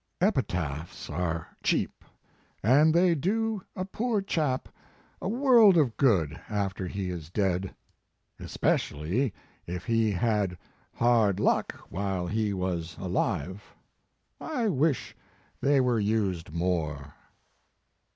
Epitaphs are cheap, and they do a poor chap a world of good after he is dead, especially if he had hard luck while he was alive. I wish they were used more."